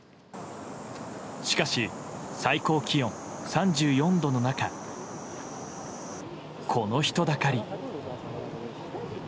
しかし、最高気温３４度の中この人だかり。